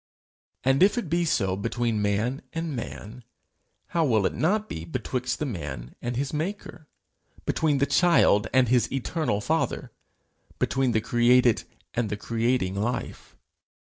And if it be so between man and man, how will it not be betwixt the man and his maker, between the child and his eternal Father, between the created and the creating Life?